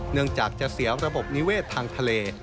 เนื่องจากจะเสียระบบนิเวศทางทะเล